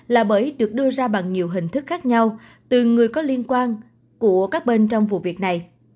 là bởi được đưa ra bằng nhiều hình thức khác nhau từ người có liên quan của các bên trong vụ việc này